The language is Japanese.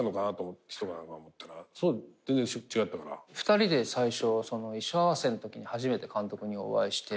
２人で最初衣装合わせのときに初めて監督にお会いして。